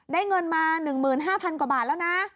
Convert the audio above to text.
เงินมา๑๕๐๐กว่าบาทแล้วนะ